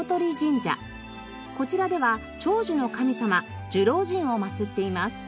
こちらでは長寿の神様寿老人を祭っています。